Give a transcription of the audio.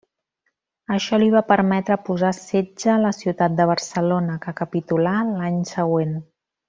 Això li va permetre posar setge a la ciutat de Barcelona, que capitulà l'any següent.